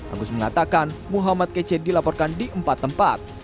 agus mengatakan muhammad kc dilaporkan di empat tempat